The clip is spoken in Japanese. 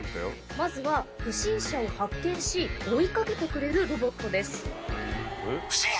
まずは不審者を発見し追い掛けてくれるロボットです。